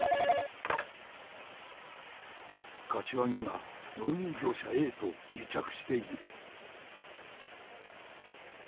柏木が、納入業者Ａと癒着している。